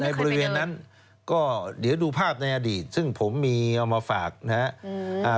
บริเวณนั้นก็เดี๋ยวดูภาพในอดีตซึ่งผมมีเอามาฝากนะครับ